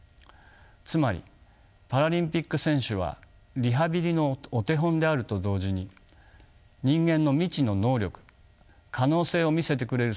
つまりパラリンピック選手はリハビリのお手本であると同時に人間の未知の能力可能性を見せてくれる存在とも言えるでしょう。